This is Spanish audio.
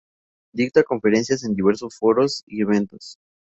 Dicta conferencias en diversos foros y eventos.